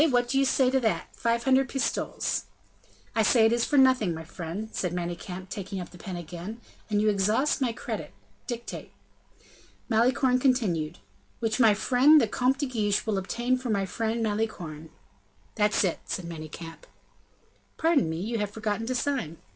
what do you say to that? Five hundred pistoles." "I say it is for nothing, my friend," said Manicamp, taking up the pen again, "and you exhaust my credit. Dictate." Malicorne continued: "Which my friend the Comte de Guiche will obtain for my friend Malicorne." "That's it," said Manicamp. "Pardon me, you have forgotten to sign."